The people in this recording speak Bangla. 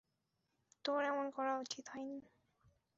তোর এমন করা উচিত হয়নি।